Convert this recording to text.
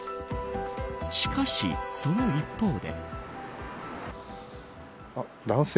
しかし、その一方で。